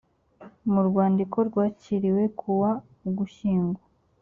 mu rwandiko rwakiriwe kuwa ugushyingo